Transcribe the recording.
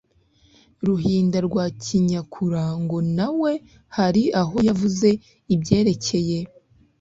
ruhinda rwa kinyakura ngo na we hari aho yavuze ibyerekeye